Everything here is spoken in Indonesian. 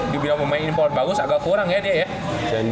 dibilang pemain impor bagus agak kurang ya dia ya